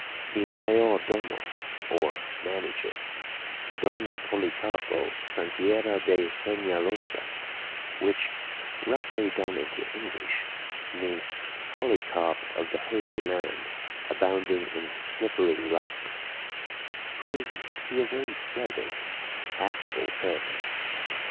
The Mayordomo, or manager, Don Policarpo Santierra de Peñalosa, which, roughly done into English, means Polycarp of the Holy Land abounding in Slippery Rocks, proved to be a very pleasant, affable person.